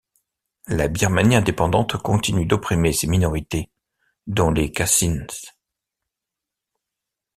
La Birmanie indépendante continue d’opprimer ses minorités, dont les Kashins.